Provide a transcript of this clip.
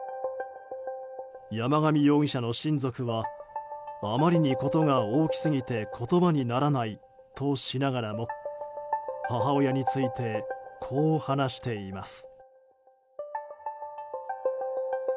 山上容疑者の親族はあまりに事が大きすぎて言葉にならないとしながらも母親についてこう話しています。